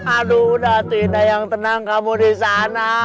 aduh udah tidak yang tenang kamu disana